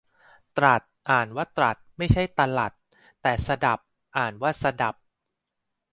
ตรัส อ่านว่า ตรัด ไม่ใช่ตะหรัด แต่สดับ อ่านว่า สะดับ